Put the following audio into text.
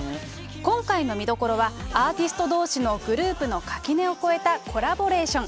今回の見どころは、アーティストどうしのグループの垣根を越えたコラボレーション。